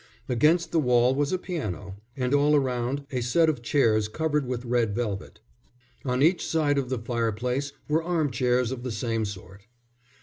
Against the wall was a piano, and all round a set of chairs covered with red velvet. On each side of the fire place were arm chairs of the same sort.